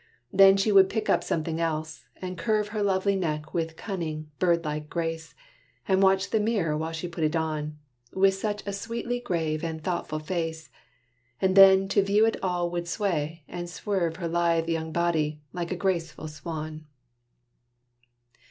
Then she would pick up something else, and curve Her lovely neck, with cunning, bird like grace, And watch the mirror while she put it on, With such a sweetly grave and thoughtful face; And then to view it all would sway, and swerve Her lithe young body, like a graceful swan.